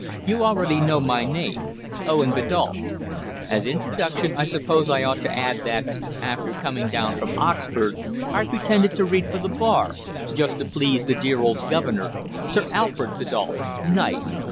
You already know my name Owen Biddulph. As introduction, I suppose I ought to add that, after coming down from Oxford, I pretended to read for the Bar, just to please the dear old governor Sir Alfred Biddulph, Knight.